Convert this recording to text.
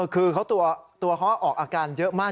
คือตัวเขาออกอาการเยอะมาก